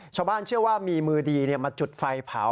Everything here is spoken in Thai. ชาวบ้านเชื่อว่ามีมือดีมาจุดไฟเผา